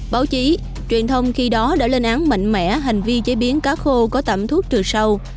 báo chí truyền thông khi đó đã lên án mạnh mẽ hành vi chế biến cá khô có tạm thuốc trừ sâu